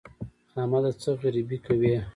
احمده! څه غريبي کوې؟